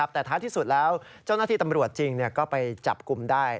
แต่ท้ายที่สุดแล้วเจ้าหน้าที่ตำรวจจริงก็ไปจับกลุ่มได้